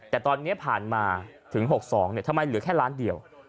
แต่ตอนนี้ผ่านมาถึง๖๒ทำไมเหลือแค่ล้านเดียว